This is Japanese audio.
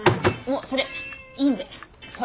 もうそれいいんで。